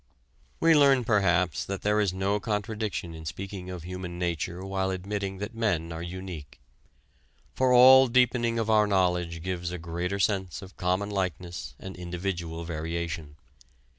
We learn perhaps that there is no contradiction in speaking of "human nature" while admitting that men are unique. For all deepening of our knowledge gives a greater sense of common likeness and individual variation.